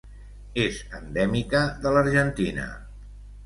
És endèmica de l'Argentina.